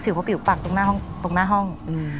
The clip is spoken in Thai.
เสียงข้อผิวปากตรงหน้าห้องตรงหน้าห้องอืม